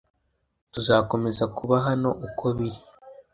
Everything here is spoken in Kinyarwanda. Tuzakomeza kuba hano uko biri